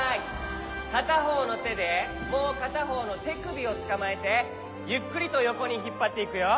かたほうのてでもうかたほうのてくびをつかまえてゆっくりとよこにひっぱっていくよ。